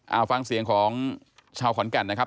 เอาฟังเสียงของชาวขอนแก่นนะครับ